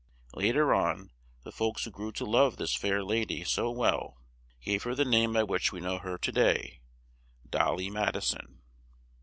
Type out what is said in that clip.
Lat er on, the folks who grew to love this fair la dy so well, gave her the name by which we know her to day "Dol ly Mad i son."